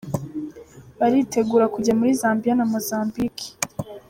Baritegura kujya muri Zambia na Mozambique.